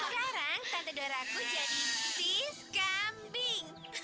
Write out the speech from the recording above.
sekarang tante doraku jadi sis kambing